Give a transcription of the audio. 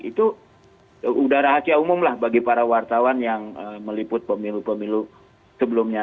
itu sudah rahasia umum lah bagi para wartawan yang meliput pemilu pemilu sebelumnya